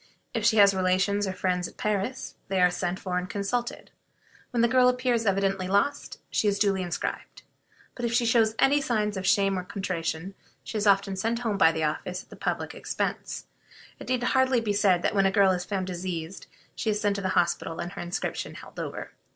If she has relations or friends at Paris, they are sent for and consulted. When the girl appears evidently lost, she is duly inscribed; but if she shows any signs of shame or contrition, she is often sent home by the office at the public expense. It need hardly be said that when a girl is found diseased she is sent to hospital and her inscription held over.